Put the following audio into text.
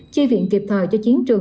chi viện kịp thời cho chiến trường